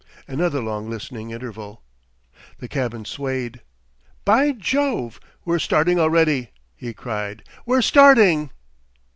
Another long listening interval. The cabin swayed. "By Jove! we're starting already;" he cried. "We're starting!"